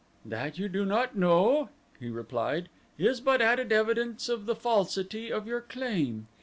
"That you do not know," he replied, "is but added evidence of the falsity of your claim.